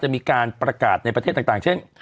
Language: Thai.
มีการประกาศในประเทศต่างเช่น